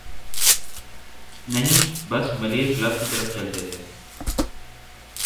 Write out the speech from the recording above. نہیں بس ملیر کلب کی طرف چل دیتے۔